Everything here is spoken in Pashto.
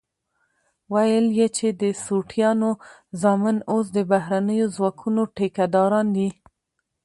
ويل يې چې د سوټيانو زامن اوس د بهرنيو ځواکونو ټيکه داران دي.